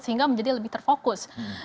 sehingga menjadi lebih terfokus